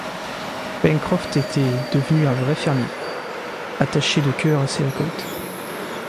Pencroff était devenu un vrai fermier, attaché de cœur à ses récoltes.